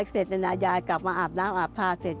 เสร็จยายกลับมาอาบน้ำอาบทาเสร็จ